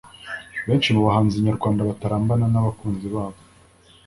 Benshi mu bahanzi nyarwanda batarambana n’abakunzi babo